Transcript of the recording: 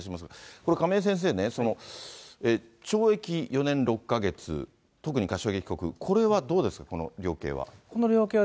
これ、亀井先生ね、懲役４年６か月、特に柏木被告、これはどうですか、この量刑は。